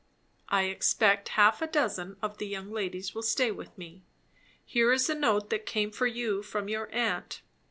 "I expect half a dozen of the young ladies will stay with me. Here is a note that came for you, from your aunt."